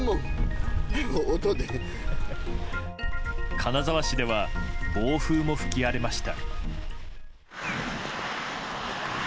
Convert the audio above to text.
金沢市では暴風も吹き荒れました。